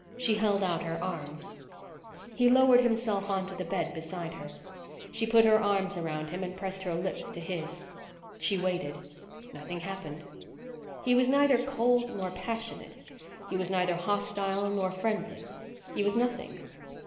She held out her arms. He lowered himself onto the bed beside her. She put her arms around him and pressed her lips to his. She waited. Nothing happened. He was neither cold nor passionate. He was neither hostile nor friendly. He was nothing.